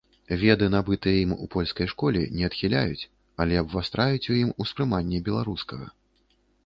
Веды, набытыя ім у польскай школе, не адхіляюць, але абвастраюць у ім успрыманне беларускага.